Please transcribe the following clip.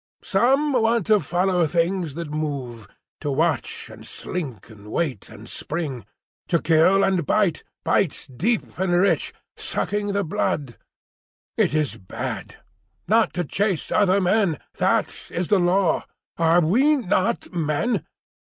Some want to follow things that move, to watch and slink and wait and spring; to kill and bite, bite deep and rich, sucking the blood. It is bad. 'Not to chase other Men; that is the Law. Are we not Men?